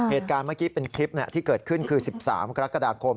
เหตุการณ์เมื่อกี้เป็นคลิปที่เกิดขึ้นคือ๑๓กรกฎาคม